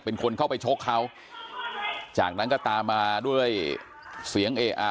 เป็นคนเข้าไปชกเขาจากนั้นก็ตามมาด้วยเสียงเออะ